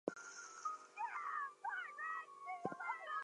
The contents of the basket are thrown out of the house.